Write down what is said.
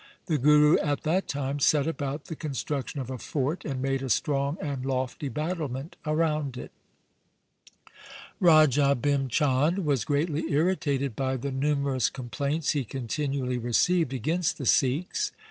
The Guru at that time set about the construction of a fort, and made a strong and lofty battlement around it. Raja Bhim Chand was greatly irritated by the numerous complaints he continually received against the Sikhs.